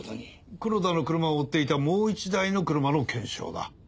黒田の車を追っていたもう１台の車の検証だ。